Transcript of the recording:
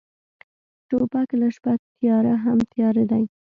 توپک له شپه تیاره هم تیاره دی.